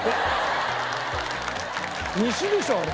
「にし」でしょあれ。